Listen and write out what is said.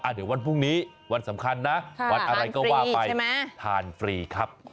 เดี๋ยววันพรุ่งนี้วันสำคัญนะวันอะไรก็ว่าไปทานฟรีครับ